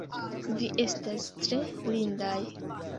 Vi estas tre lindaj!